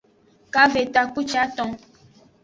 Kave takpuciton.